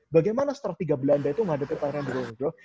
bagaimana strategi belanda itu menghadapi pangeran dow